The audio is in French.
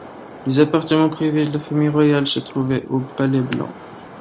Les appartements privés de la famille royale se trouvaient au palais Blanc.